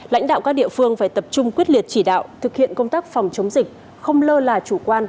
lãnh đạo các địa phương phải tập trung quyết liệt chỉ đạo thực hiện công tác phòng chống dịch không lơ là chủ quan